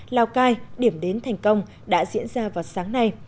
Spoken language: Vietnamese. lào cai điểm đến thành công đã diễn ra vào sáng nay